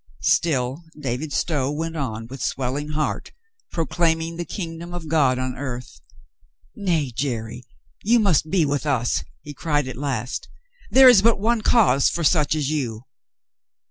Still David Stow went on with swelling heart proclaiming the kingdom of God on earth. "Nay, Jerry, you must be with us," he cried at last; "there is but one cause for such as you."